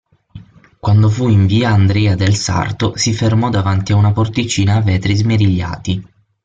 Quando fu in via Andrea del Sarto, si fermò davanti a una porticina a vetri smerigliati.